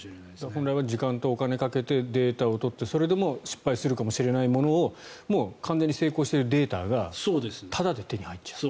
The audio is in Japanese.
本来は時間とお金をかけてデータを取ってそれでも失敗するかもしれないものをもう完全に成功しているデータがタダで手に入っちゃう。